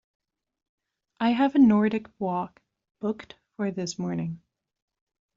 I have a Nordic walk booked for this morning.